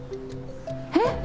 えっ！？